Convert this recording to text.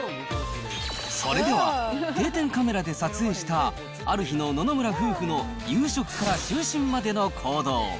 それでは、定点カメラで撮影したある日の野々村夫婦の夕食から就寝までの行動。